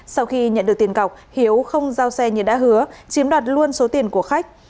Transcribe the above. sau khi nhận được tiền cọc hiếu không giao xe như đã hứa chiếm đoạt luôn số tiền của khách